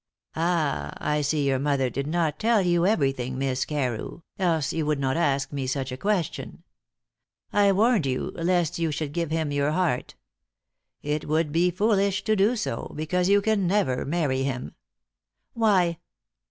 "Ah! I see your mother did not tell you everything, Miss Carew, else you would not ask me such a question. I warned you, lest you should give him your heart. It would be foolish to do so, because you can never marry him." "Why?"